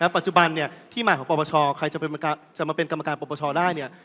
ปัจจุบันที่หมายของปปชใครจะมาเป็นกรรมการปปชได้